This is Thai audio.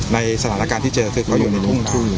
ในสถานการณ์ที่เจอคือเขาอยู่ในทุ่ง